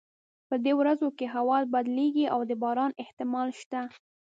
په دې ورځو کې هوا بدلیږي او د باران احتمال شته